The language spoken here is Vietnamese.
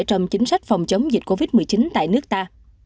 trong chính sách phòng chống dịch covid một mươi chín tại nước ta